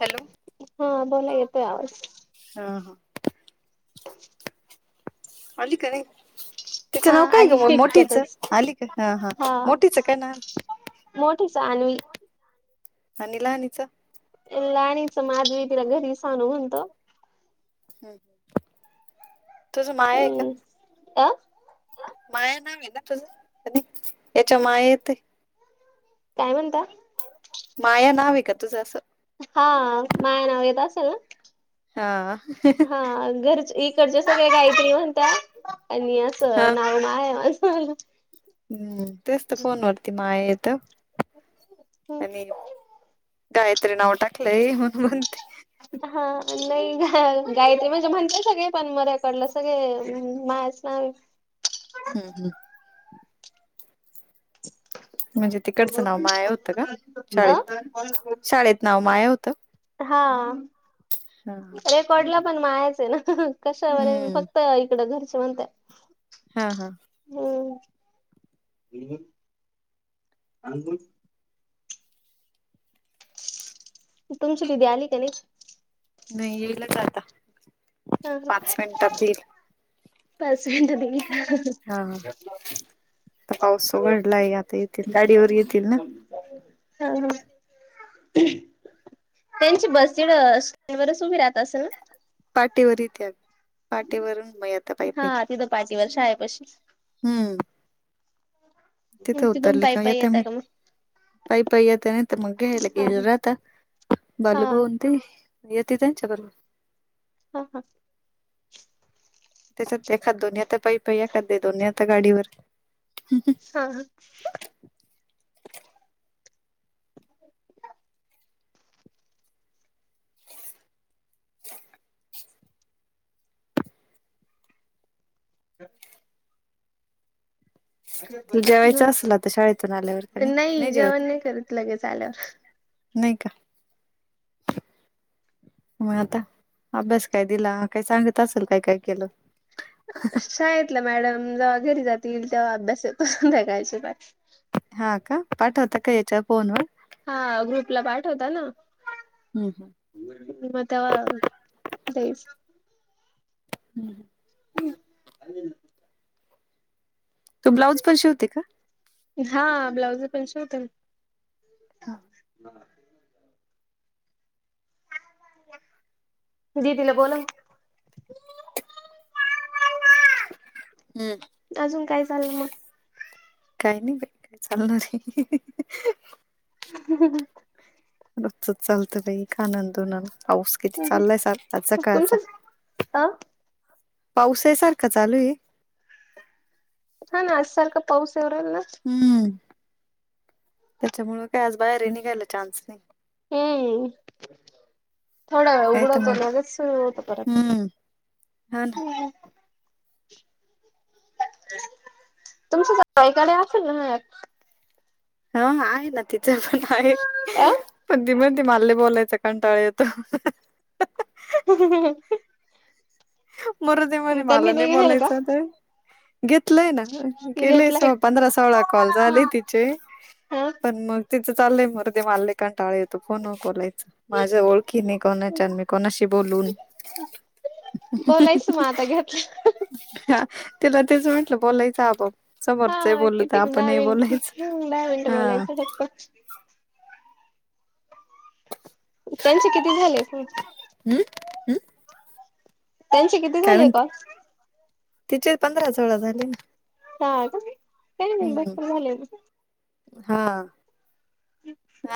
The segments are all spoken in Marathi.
हॅलो हा बोला येतोय आवाज हा हा ह आली का नाही हा तिचं नाव काय आली ग मोठीचं इतक्यातच आली का हा हा मोठीच काय ना मोठी सनवी आणि लहनीच लाणीचं माझवी तिला घरी सांनू म्हणतो तुझ माया आहे का हम्म अ माया नाव आहे ना तुझं का नाही याच्या माया येत काय म्हणता माया नाव आहे का तुझं असं हा माया नाव येत असेल हा ना हा घरची एक इकडचे सगळे गायत्री म्हणत्या आणि हा असं नावमा आहे माझं हम्म तेच तर फोन वरती माय येत आणि गायत्री नाव टाकलंय म्हणून मणते हा नाहीा गायत्री म्हणजे म्हणते सगळे पण मऱ्याकडलं सगळे मास ह हम् हम् म्हणजे तिकडचं नाव माया होतं का शाळेत शाळेत नाव माया होतं ह हा हा ह पडल्या पण माहायच आहे ना कशावर मी हम्म फक्त इकड घरचे म्हणतय हा हा हो अ तुमची दिदी आली का नाही नाही येईलच आता हा पाच मिनिटात येईल पास मिट दि हा आता पाऊस उघडलाय आता येतील गाडीवर येतील ना हा त्यांची बस डनवरच उभी राहत असे ना पाटेवर त्या पाटेवरून म आता पायपई तीथ पाटी वर शाळे पशी हम्म तिथे तिथून उतरले पायी का पायी येते म येता मग पई पईया त्याने तर मग हे ल हा गज राात हा बल बून त येत त्यांच्या बरोबर हा हा त्याच्यात एखाद दोन्ही आता पै पई एखाद दोन्ही आता गाडीवर हा ह [inaudible] जेवायचं असेल आता शाळेतून आल्यावर का मग नाही नाही जेवण जेवत? करत लगेच आल्यावर नाही का? म आता अभ्यास काय दिला काय सांगत असेल काय काय केलं. शाळेतल्या मॅडम जेव्हा घरी जातील तेव्हा अभ्यास येतो ब्यागांचा बाहेर हा का पाठवता का याच्या फोनवर? हा ग्रुपला पाठवता ना हमम. [unintelligible] हमम. हमम. तु ब्लाउजपण शिवते का? हा ब्लाउज पण शिवते मी. [inaudible] दीदीला बोलव. हमम. अजून काय चाललं मग? काही नाही बाई काय चालणारये. हम हमम. [unintelligible] किती चाललंय आजचा सकाळचा तुमचंच अ पाऊसये सारखा चालू ये. हा सारखा पाऊस आवरल ना. हमम त्याच्यामुळ काय आज बाहेरही निघायला चान्स नाही. हमम. थोडा वेळ नाही तर उघडवत मग लगेच परतत. हम्म हा [unintelligible] हा आहे ना तिचं पण आहे अ पण ती बघ. ते मला लय बोलायचं कंटाळ येतो. ह [inaudible] मरू दे म्हणे त्यांनी मला नाही घेल का बोलायचं काय. घेतलंय ना गेले स घेतलाय. पंधरा सोळा कॉल झाले तीत. छे हा पण मग तिच चाललय मरुदे मला लय कंटाळा येतो. फोनवर बोलायच माझ्या ओळखी नाही कोणाच्या मी कोणाशी बोलू? बोलायच म आता घेतलंय. ह तिला तेच म्हटलं बोलायच आपोप समोरच हा बोलल तर किती दहा आपणही मिनिट बोलायच दहा मिनिटं हा [inaudible] [inaudible] त्यांचे किती झाले फोन? हम् हम् त्यांचे किती काय झाले काल? म्हणते तिचे पंधरा सोळा झाले. हा ग बाई हमम हा [unintelligible] [unintelligible]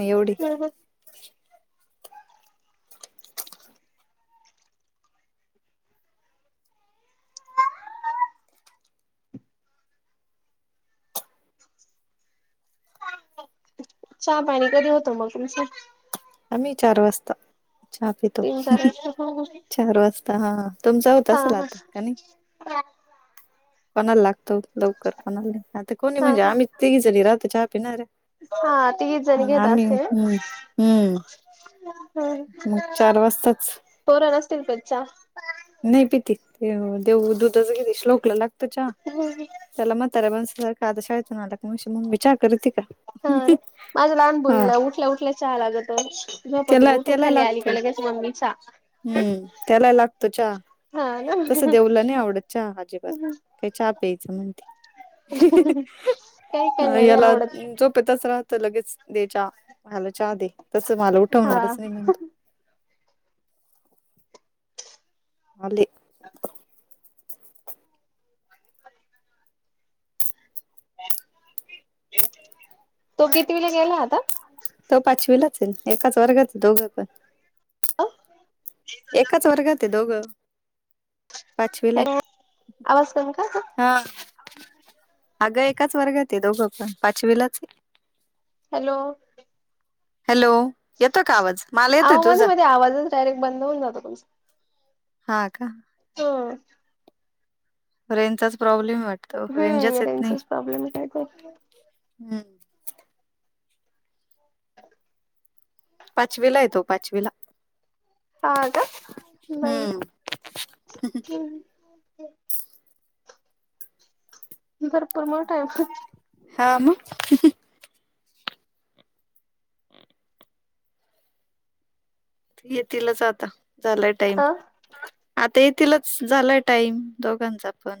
एवढेच चहा पाणी कधी होत मग तुमच आम्ही चार वाजता चहा पितो. तीन चार वाजता चार वाजता हा तुमचा होत हा असल हा आता का नय कोणाला लागतो लवकर कोणाला नाय आता कोणी हा म्हणजे हा. आम्ही तिघी जणी राहंतो चहा पिणाऱ्या हा तिघीच जणी म घेत आम्ही असतील हम् हम्म [unintelligible] मग चार वाजताच पोरा नसतील पीत च्या नही पितीत येव देऊ दुधच घेतती श्लोकला लागत चहा होय. त्याला म्हताऱ्या माणसासारखं आता शाळेतून आला का म्हणशील मम्मी चहा करती का हा न माझ्या लहान हा पोरीला उठल्या उठल्या चहा लागतो. झोपेतून त्याला उठून त्याला खाली आली का लागतो लगेच मम्मी चहा हम्म त्याला लागतो चहा हा न तसं देवू ला नाही आवडत चहा अजिबात काय चहा प्यायचं म्हणती. काही अ काहीना नाही याला आवडत. झोपेतच राहतं लगेच दे चहा मला चहा दे तस मला हा उठवणारच नाही म्हणतो. आले. तो कितवी ला गेला आता तो पाचवीलाच ये एकाच वर्गात ये दोघं पण अ एकाच वर्गात ये दोघं पाचवीला हॅलो आवाज कमी का ग आहे हा अगं एकाच वर्गात ये दोघं पण पाचवीलाचये. हॅलो हॅलो येतो का आवाज मला येतोय अहो मध्ये तुझा मध्ये आवाजच डायरेक्ट बंद होऊन जातो तुमचा हा का [unintelligible] र्रेंजचाच प्रॉब्लेमये वाट हम्म रेंजचाच प्रॉब्लेम ये काय तर हम्मं पाचवी हाय तो पाचवी ला हा का नाही हम्म हम्मं भरपूर मोठाय म हा म येतीलच आता झालाय टाईम अ आता येथीलच झालाय टाईम दोघांचा पण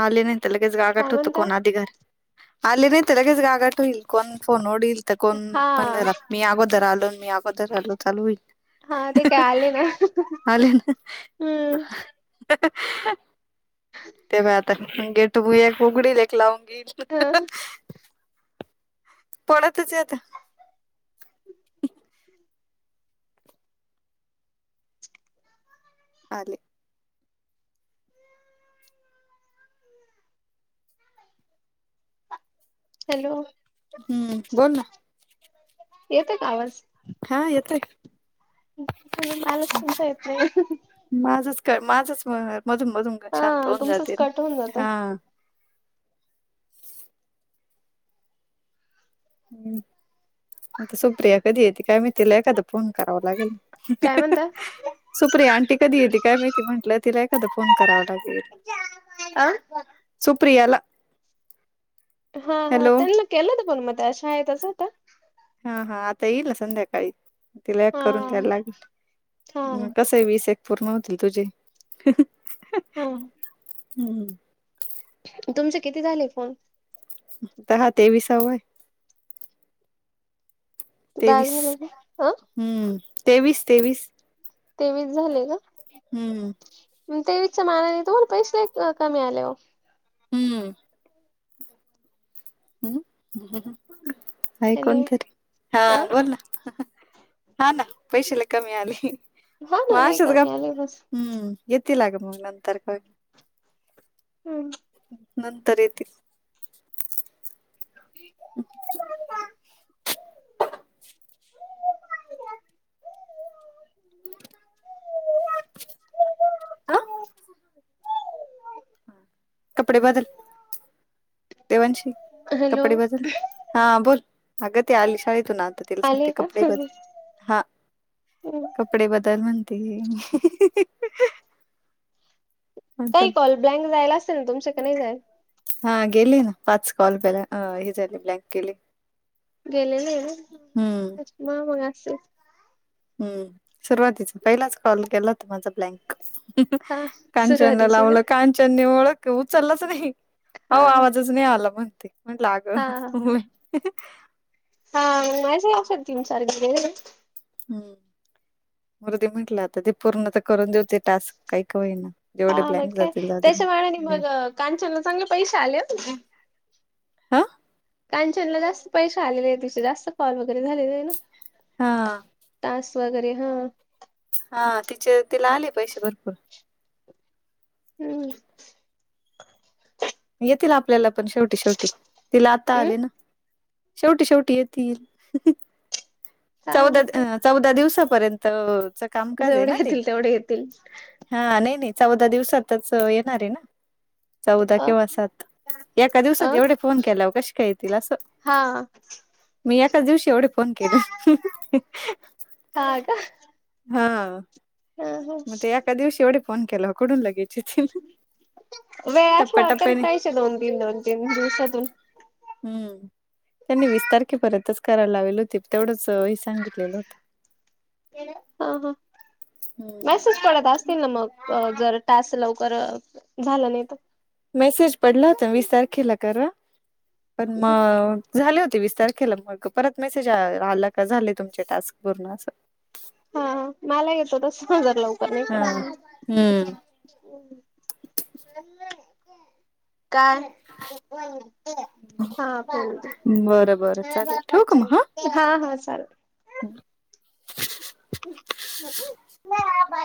आले नाय त लगेच गागाट काय होत म्हणता कोण आधी घरी आले नाय त लगेच गागाट होईल कोणं फोन ओढील त कोण हा पण दरा मी अगोदर आलो मी अगोदर आलो चालू होईल. हा ते काय आले ना आले न हम्म हं ते ब आता गेट एक उघडील एक लावून घेईल. हा पळतच येता आले. हॅलो हम्म बोोल ना येतंय का आवाज हा येत बालच केंच येत नाही माझच का माझच मधून मधून शांत हा होऊन तुमचंच जाते कट होऊन जात हा हम् आता सुप्रिया कधी येते काय मी तिला एखादा फोन करावा लागेल काय म्हणता सुप्रिया आणंटी कधी येत काय मीती म्हंटलं तिला एखदां फोन कराव लागेल अं सुप्रियाला हा हा हॅलो त्यांना केलंत पण मग अशा आहे तसं आता हा हा आता येईल संध्याकाळी ति लॅग हा करून द्यायला हा लागेल मग कस वीस एक पूर्ण होतील तुझे हम हम् हम तुमच किती झाले फोन तर हा ते वि सवय दहा तेवीस झाले का अ हम्म तेवीस तेवीस तेवीस झाले का हम्म तेवीचच्या मानाने तो पैसे कमी आले हो हम्म ह हॅलो कोणतरी हा अ बोल ना हा ना पैशला कमी आले हा ना लई मगशच ग कमी आले बस हम्म येतील लाग मग नंतर का हम्म नंतर येेते अ हा कपडे बदल देवांशी हॅलो कपडे बजल हा बोल अगती आली शाळेतून आज ते आले का? कपडे ब हा कप कपडे बदल म्हणते म काही कॉल ब्लँकयला असेल ना तुमच्याकडे नाही जाईल हा गेली ना पाच कॉल पला अ हे झाली ब्लँक गेली हम्म गेलेलेमा मग असे हम्म सुरुवातीच पहिलाच कॉल केला हो त माझा ब्लँक हा कांचनला सुरुवातीचे का? लावलं कांचननी ओळख उचललाच नाही हो हा हा आवाजच नाही आला म्हण ते म्हणग हा हा हा मा तीन चार घ हम्म मृदी म्हंटलं आता ते पूर्ण तर करून देऊते टास्क काही का होईना जेवढे हा ब्लँक मग काय जातील जाऊदे त्याच्यामुळेळाने म्हटलं मग कांचनला चांगले पैसे आले ह हा कचनला जास्त पैसे आले आहेत तिचे जास्त कॉल वगैरे झालेले आहे ना हा तास वगैरे हा हा तिचे तिला आले पैसे भरपूर हम् येतील आपल्याला पण शेवटी शेवटी तिला आता हम्म आले ना शेवटी शेवटी येतील सांग चौदा बेटा चौदा दिवसापर्यंत जेवढे येतील तेवढे येतील हा नाही नाही चौदा दिवसातच येणार आहे ना चौदा अ किंवा सात एका दिवसात अ एवढे फोन केलावर कशी काय येतील असं हा मी एकाच दिवशी एवढे फोन केले ह ह हा मग ते एका दिवशी एवढे फोन केला कडून लगेल वेळ असला कर टप्प्याटप्प्याने रायश दोन तीन दोन तीन दिवसातून हम्म त्यांनी वीस तारखेपर्यंतच करायला लावली होती तेवढंच हे सांगितलेलं होतं ह ह मेसेज पडत असतील ना मग जर तास लवकर झालं नाही तर मेसेज पडला होता वीस तारखेला करा पण मग झाले होती विस्तार केला मग परत मेसेज आला का झाले तुमचे टास्क पूर्ण असं हा मला येतो तस नजर लवकर नाही हा हम्म क ह काय हा बरं बरं चालेल ठेव का मग ह हा हा चाल बा